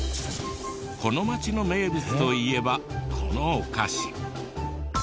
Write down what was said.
この町の名物といえばこのお菓子。